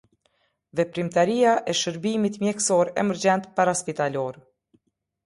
Veprimtaria e Shërbimit mjekësor emergjent paraspitalor.